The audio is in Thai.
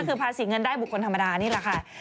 ก็คือภาษีเงินได้บุคคลธรรมดานี่แหละค่ะ